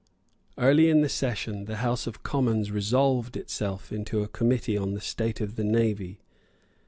Early in the session, the House of Commons resolved itself into a Committee on the state of the Navy.